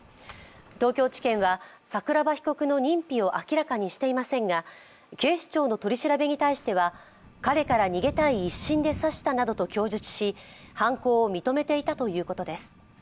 東京地検は、桜庭被告の認否を明らかにしていませんが警視庁の取り調べに対しては彼から逃げたい一心で刺したなどと供述し犯行を認めていたということです。